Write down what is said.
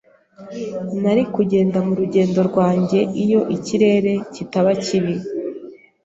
Nari kugenda mu rugendo rwanjye iyo ikirere kitaba kibi.